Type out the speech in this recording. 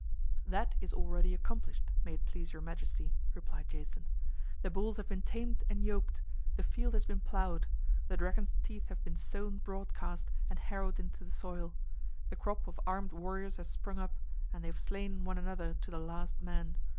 "That is already accomplished, may it please your majesty," replied Jason. "The bulls have been tamed and yoked; the field has been plowed; the dragon's teeth have been sown broadcast and harrowed into the soil; the crop of armed warriors has sprung up and they have slain one another to the last man.